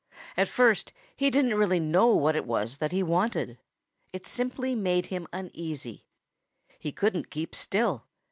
At first he didn't really know what it was that he wanted. It simply made him uneasy. He couldn't keep still.